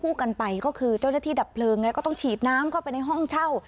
พวกผู้กันไปก็คือต้นที่ดับเผลิงก็ต้องฉีดน้ำเข้าไปในห้องเช่า